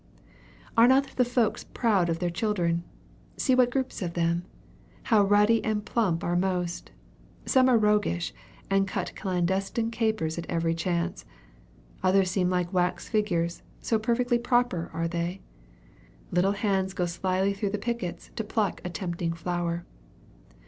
Are not the folks proud of their children? See what groups of them! How ruddy and plump are most! Some are roguish, and cut clandestine capers at every chance. Others seem like wax figures, so perfectly proper are they. Little hands go slyly through the pickets to pluck a tempting flower.